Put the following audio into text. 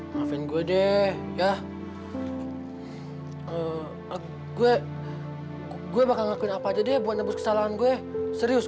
maafin gue deh ya gue gue bakal ngakuin apa aja dia buat nebus kesalahan gue serius